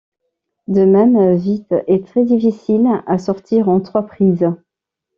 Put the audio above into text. De même, Vitt est très difficile à sortir en trois prises.